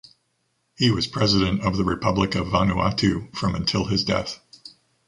He was president of the Republic of Vanuatu from until his death.